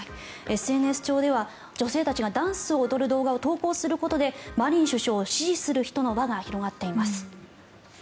ＳＮＳ上では女性たちがダンスを踊る動画を投稿することでマリン首相を支持する人の輪が広がっています。